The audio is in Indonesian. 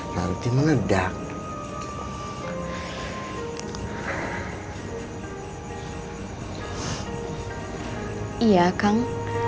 langsung mengedap ia kang